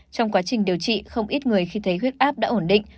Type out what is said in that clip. trong quá trình điều trị không ít người khi thấy huyết áp đã ổn định